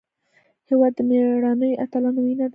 هېواد د مېړنیو اتلانو وینه ده.